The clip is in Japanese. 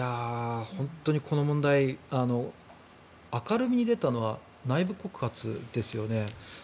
本当にこの問題は明るみに出たのは内部告発ですよね。